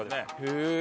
へえ。